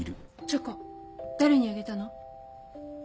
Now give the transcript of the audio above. チョコ誰にあげたの？